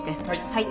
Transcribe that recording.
はい。